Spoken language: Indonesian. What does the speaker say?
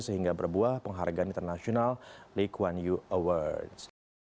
sehingga berbuah penghargaan internasional likuan u awards